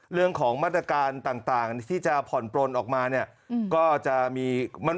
เรื่องของมาตรการต่างที่จะผ่อนปลนออกมาเนี่ยก็จะมีมั่น